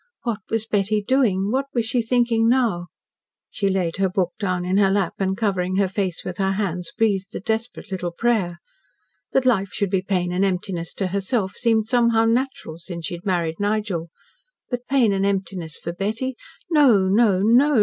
What was Betty doing what was she thinking now? She laid her book down in her lap, and covering her face with her hands, breathed a desperate little prayer. That life should be pain and emptiness to herself, seemed somehow natural since she had married Nigel but pain and emptiness for Betty No! No! No!